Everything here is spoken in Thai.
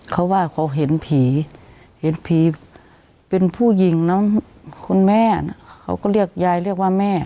เขาว่าเขาเห็นผีเห็นผีเป็นผู้หญิงน้องคุณแม่เขาก็เรียกยายเรียกว่าแม่